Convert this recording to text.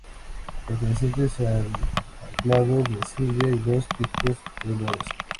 Perteneciente al clado de "Sylvia" y los picos de loros.